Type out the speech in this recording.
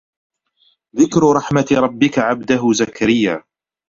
ذِكْرُ رَحْمَتِ رَبِّكَ عَبْدَهُ زَكَرِيَّا